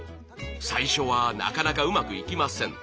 最初はなかなかうまくいきません。